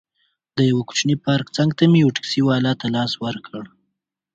د یوه کوچني پارک څنګ ته مې یو ټکسي والا ته لاس ورکړ.